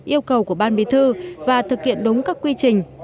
yêu cầu của ban bí thư và thực hiện đúng các quy trình